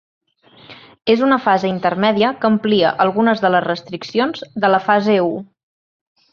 És una fase intermèdia que amplia algunes de les restriccions de la fase u.